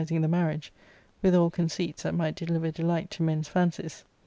—Book L solemnising the marriage, with all conceits that might deliver delight to men's fancies.